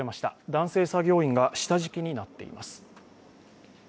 男性作業員が下敷きになっています。